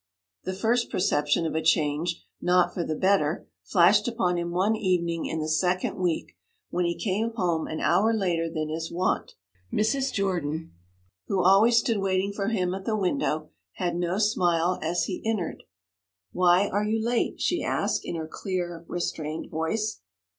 The first perception of a change not for the better flashed upon him one evening in the second week, when he came home an hour later than his wont. Mrs. Jordan, who always stood waiting for him at the window, had no smile as he entered. 'Why are you late?' she asked, in her clear, restrained voice.